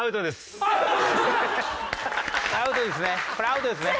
アウトですね。